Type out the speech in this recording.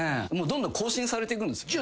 どんどん更新されていくんですよ。